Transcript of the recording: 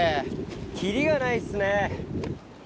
切りがないっすね。